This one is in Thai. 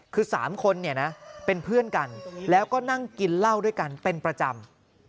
คือ๓คนเนี่ยนะเป็นเพื่อนกันแล้วก็นั่งกินเหล้าด้วยกันเป็นประจำ